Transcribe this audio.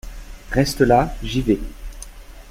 Reste là, j’y vais.